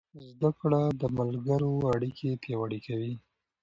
زده کړه د ملګرو اړیکې پیاوړې کوي.